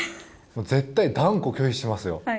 絶対、断固拒否しますよ。